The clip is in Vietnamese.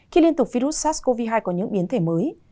khi liên tục virus sars cov hai có những biến thể mới